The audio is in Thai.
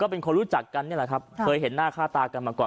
เป็นคนรู้จักกันนี่แหละครับเคยเห็นหน้าค่าตากันมาก่อน